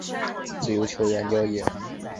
自由球员交易